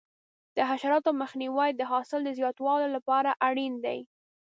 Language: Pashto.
د حشراتو مخنیوی د حاصل د زیاتوالي لپاره اړین دی.